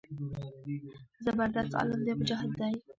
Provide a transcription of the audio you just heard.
زبردست عالم دى مجاهد دى.